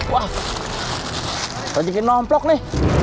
wah ada di nomplok ini